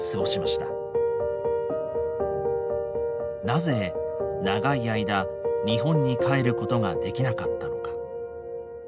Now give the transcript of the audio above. なぜ長い間日本に帰ることができなかったのか。